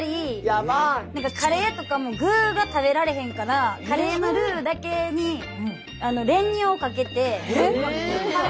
カレーとかも具が食べられへんからカレーのルーだけに練乳をかけて。